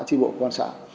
tri bộ công an xã